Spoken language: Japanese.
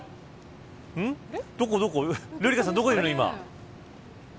ルリカさん、どこにいるの今。